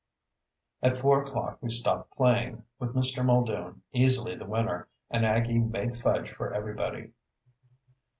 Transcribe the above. At four o'clock we stopped playing, with Mr. Muldoon easily the winner, and Aggie made fudge for everybody.